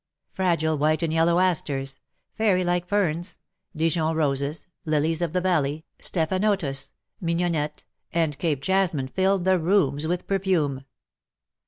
Fragile white and yellow asters, fairy like lerns, Dijon roses, lilies of the valley, stephanotis, mignonette, and Cape jasmine filled the rooms with perfume.